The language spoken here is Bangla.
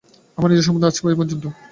আমার নিজের সম্বন্ধে আজ এই পর্যন্ত।